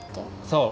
そう。